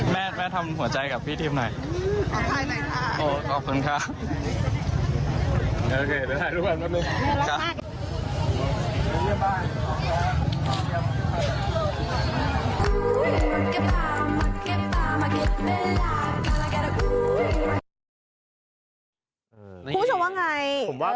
แม่ทำหัวใจกับพี่เทียมหน่อย